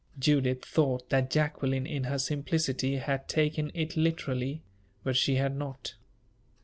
_" Judith thought that Jacqueline, in her simplicity, had taken it literally; but she had not.